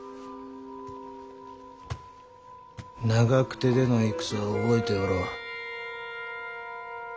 長久手での戦を覚えておろう？